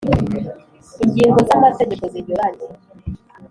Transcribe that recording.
ingingo z’ amategeko zinyuranye